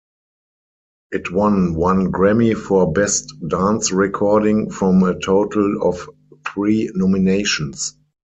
It won one Grammy for "Best Dance Recording" from a total of three nominations.